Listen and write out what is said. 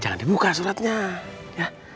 jangan dibuka suratnya